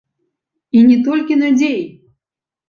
І не толькі надзей!